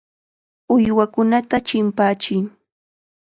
Uywakunata chimpachiy.